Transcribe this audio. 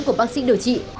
của bác sĩ điều trị